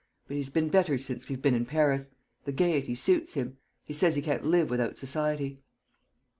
But he's been better since we've been in Paris. The gaiety suits him. He says he can't live without society."